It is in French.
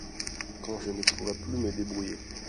Quand je ne pourrai plus me débrouiller.